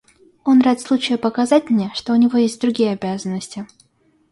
Он рад случаю показать мне, что у него есть другие обязанности.